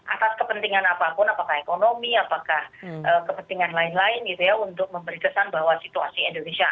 atas kepentingan apapun apakah ekonomi apakah kepentingan lain lain gitu ya untuk memberi kesan bahwa situasi indonesia